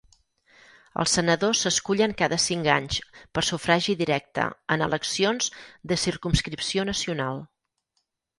Els senadors s'escullen cada cinc anys per sufragi directe en eleccions de circumscripció nacional.